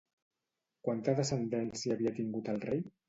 Quanta descendència havia tingut el rei?